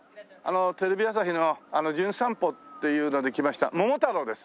テレビ朝日の『じゅん散歩』っていうので来ました桃太郎です。